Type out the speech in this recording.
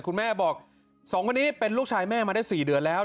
คุณแม่บอก๒คนนี้เป็นลูกชายแม่มาได้๔เดือนแล้ว